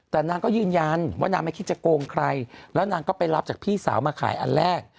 แต่นางก็ยืนยันว่านางไม่คิดจะโกงใครแล้วนางก็ไปรับจากพี่สาวมาขายอันแรก